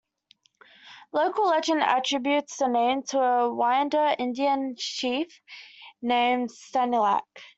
Local legend attributes the name to a Wyandotte Indian Chief named Sanilac.